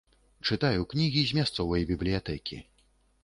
Чытаю кнігі з мясцовай бібліятэкі.